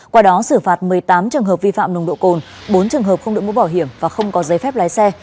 qua đó xử phạt một mươi tám trường hợp vi phạm nồng độ cồn bốn trường hợp không được mũ bảo hiểm và không có giấy phép lái xe